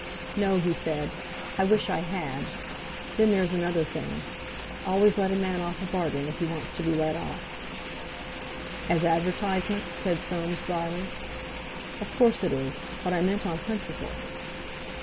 "No," he said, "I wish I had. Then there's another thing. Always let a man off a bargain if he wants to be let off." "As advertisement?" said Soames dryly. "Of course it is; but I meant on principle."